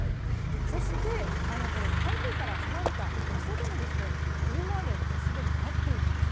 そして、台風から離れた場所でも大雨とすでになっているんです。